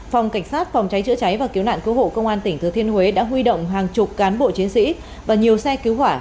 phòng cảnh sát phòng cháy chữa cháy và cứu nạn cứu hộ công an tỉnh thừa thiên huế đã huy động hàng chục cán bộ chiến sĩ và nhiều xe cứu hỏa